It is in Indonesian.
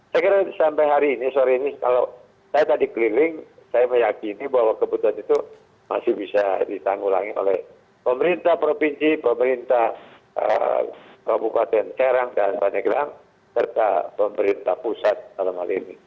saya kira sampai hari ini sore ini kalau saya tadi keliling saya meyakini bahwa kebutuhan itu masih bisa ditanggulangi oleh pemerintah provinsi pemerintah kabupaten serang dan pandeglang serta pemerintah pusat dalam hal ini